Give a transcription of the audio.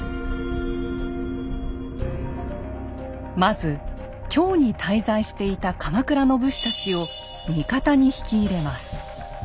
まず京に滞在していた鎌倉の武士たちを味方に引き入れます。